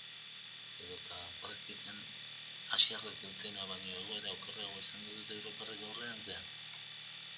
Edota, praktikan, asiarrek dutena baino egoera okerragoa izango dute europarrek aurrerantzean?